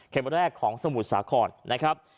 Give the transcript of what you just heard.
แรกของสมุทรสาครนะครับ